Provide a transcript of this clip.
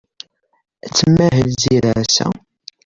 Ad tmahel Zira ass-a?